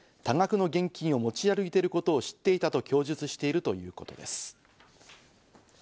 多額の現金を持ち歩いていることを知っていたと供述しているということです。